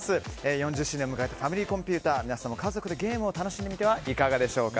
４０周年を迎えたファミリーコンピュータ皆さんも家族でゲームを楽しんでみてはいかがでしょうか。